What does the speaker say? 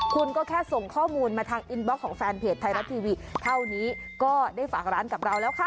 คุณก็แค่ส่งข้อมูลมาทางอินบล็อกของแฟนเพจไทยรัฐทีวีเท่านี้ก็ได้ฝากร้านกับเราแล้วค่ะ